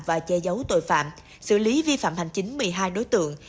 và che giấu tội phạm xử lý vi phạm hành chính một mươi hai đối tượng